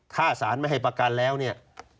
ถ้าสารไม่ให้ประกันแล้วเนี่ย